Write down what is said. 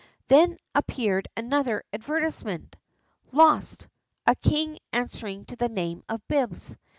Then appeared another advertisement: LOST, A KING ANSWERING TO THE NAME OF BIBBS.